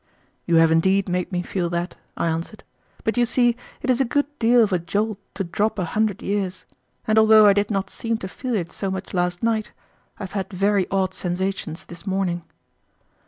"You have indeed made me feel that," I answered. "But you see it is a good deal of a jolt to drop a hundred years, and although I did not seem to feel it so much last night, I have had very odd sensations this morning."